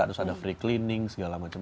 terus ada free cleaning segala macam